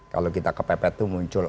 kalau kita ke pepet itu muncul